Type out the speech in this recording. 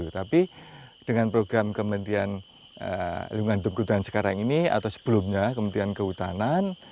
tapi dengan program kementerian kehutanan sekarang ini atau sebelumnya kementerian kehutanan